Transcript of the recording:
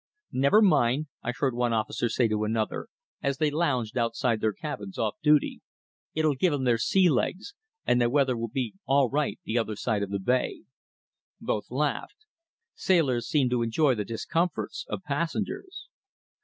"Never mind," I heard one officer say to another, as they lounged outside their cabins off duty. "It'll give 'em their sea legs, and the weather will be all right the other side of the Bay." Both laughed. Sailors seem to enjoy the discomforts of passengers.